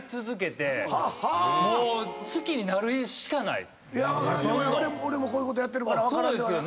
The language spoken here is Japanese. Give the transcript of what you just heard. いや俺もこういうことやってるから分からんではない。